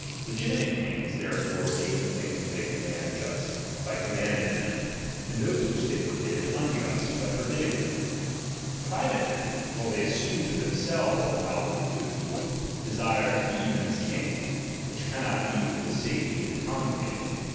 Legiti ^H mate kings therefore make the things they com ^^| mand just, by commanding them, and those which ^^| they forbid, unjust, by forbidding them. But pri ^^| "vate men, while tliey assume to themselves the ^^| knowledge of good and evil, desire to be even as ^^| kings ; which cannot be with the safety of the ^H commonweal.